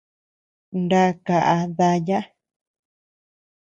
Na kaʼa daya.